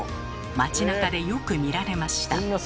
街なかでよく見られました。